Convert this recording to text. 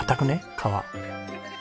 皮。